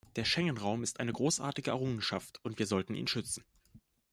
Der Schengen-Raum ist eine großartige Errungenschaft, und wir sollten ihn schützen.